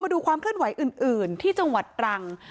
ดูความเคลื่อนไหวอื่นที่จังหวัดตรัง